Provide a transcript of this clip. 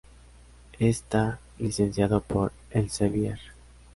Está licenciado por Elsevier.